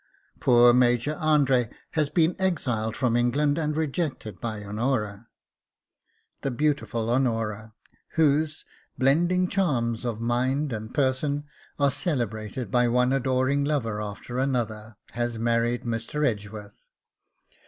Poor Major Andre has been exiled from England and rejected by Honora. The beautiful Honora, whose "blending charms of mind and person" are celebrated by one adoring lover after another, has married Mr. Edgeworth.